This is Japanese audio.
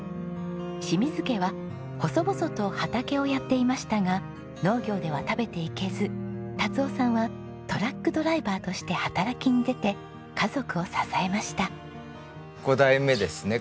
清水家は細々と畑をやっていましたが農業では食べていけず達雄さんはトラックドライバーとして働きに出て家族を支えました。